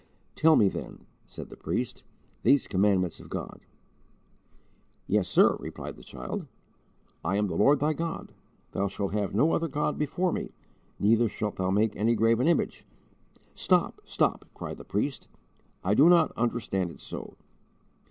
"_ "Tell me, then," said the priest, "these commandments of God." "Yes, sir," replied the child; "I am the Lord thy God. Thou shalt have no other God before me. Neither shalt thou make any graven image." "Stop! stop!" cried the priest, "I do not understand it so."